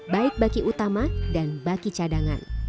baik baki utama dan baki cadangan